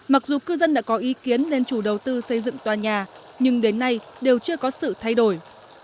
mặc dù cư dân đã có ý kiến nên chủ đầu tư xây dựng tòa nhà nhưng đến nay đều chưa có sự thay đổi